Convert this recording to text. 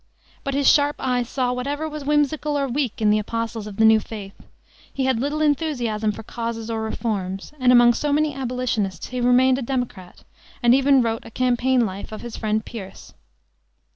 But his sharp eyes saw whatever was whimsical or weak in the apostles of the new faith. He had little enthusiasm for causes or reforms, and among so many Abolitionists he remained a Democrat, and even wrote a campaign life of his friend Pierce.